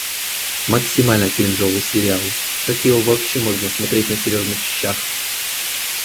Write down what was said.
Максимально кринжовый сериал, как его вообще можно смотреть на серьёзных щщах?